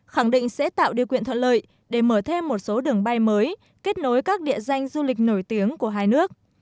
khẳng định sẽ tạo điều kiện thuận lợi để mở thêm một số đường bay mới kết nối các địa danh du lịch nổi tiếng của hai nước